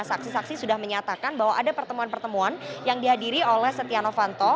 saksi saksi sudah menyatakan bahwa ada pertemuan pertemuan yang dihadiri oleh setia novanto